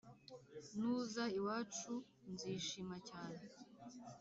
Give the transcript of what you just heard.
nuza iwacu nzishima cyane